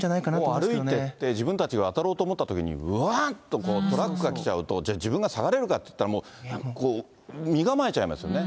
歩いてって、自分たちが渡ろうと思ったときに、うわーっとトラックが来ちゃうと、自分が下がれるかといったら、こう身構えちゃいますよね。